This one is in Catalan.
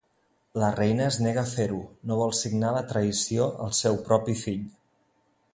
La reina es nega a fer-ho, no vol signar la traïció al seu propi fill.